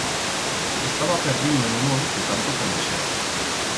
Estaba perdiu en o mont que tanto conoixeba.